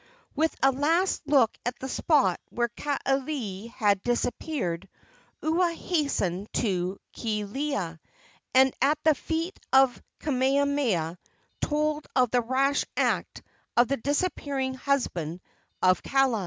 With a last look at the spot where Kaaialii had disappeared, Ua hastened to Kealia, and at the feet of Kamehameha told of the rash act of the despairing husband of Kaala.